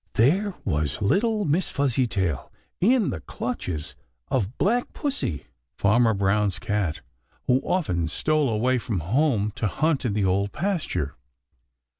There was little Miss Fuzzytail in the clutches of Black Pussy, Farmer Brown's cat, who often stole away from home to hunt in the Old Pasture.